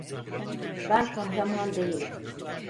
Ben kahraman değilim.